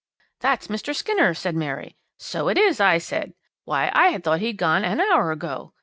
"'"That's Mr. Skinner," said Mary. "So it is," I said, "why, I thought he had gone an hour ago."